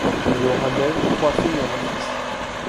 Il aura d’elle trois filles et un fils.